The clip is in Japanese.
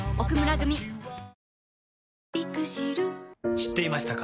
知っていましたか？